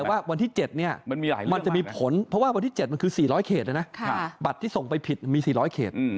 แต่ว่าวันที่๗มันจะมีผลเพราะว่าวันที่๗มันคือ๔๐๐เขตเลยนะบัตรที่ส่งไปผิดมี๔๐๐เขต